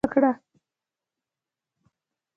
عجیبه دا چې له سلطان څخه یې غوښتنه وکړه.